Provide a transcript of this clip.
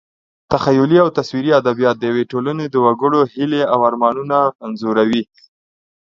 تخیلي او تصویري ادبیات د یوې ټولنې د وګړو هیلې او ارمانونه انځوروي.